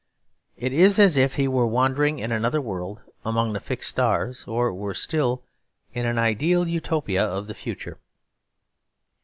It is as if he were wandering in another world among the fixed stars; or worse still, in an ideal Utopia of the future.